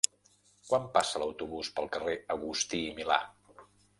Quan passa l'autobús pel carrer Agustí i Milà?